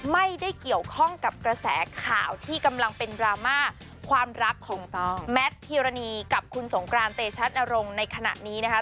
ไม่ได้เกี่ยวข้องกับกระแสข่าวที่กำลังเป็นดราม่าความรักของแมทพิรณีกับคุณสงกรานเตชัตนรงค์ในขณะนี้นะคะ